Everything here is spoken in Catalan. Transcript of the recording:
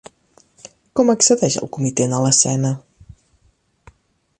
Com accedeix el comitent a l'escena?